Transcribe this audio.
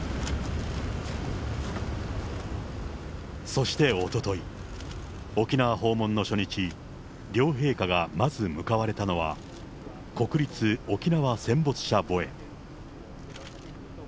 そしておととい、沖縄訪問の初日、両陛下がまず向かわれたのは、国立沖縄戦没者墓苑。